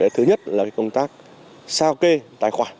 thứ nhất là công tác sao kê tài khoản